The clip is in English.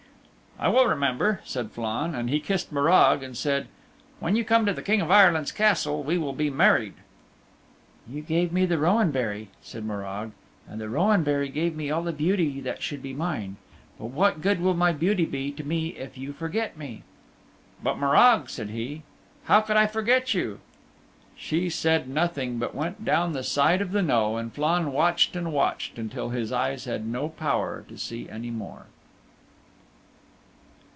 "I will remember," said Flann, and he kissed Morag and said, "When you come to the King of Ireland's Castle we will be married." "You gave me the Rowan Berry," said Morag, "and the Rowan Berry gave me all the beauty that should be mine. But what good will my beauty be to me if you forget me?" "But, Morag," said he, "how could I forget you?" She said nothing but went down the side of the knowe and Flann watched and watched until his eyes had no power to see any more.